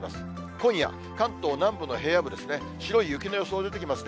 今夜、関東南部の平野部ですね、白い雪の予想出てきますね。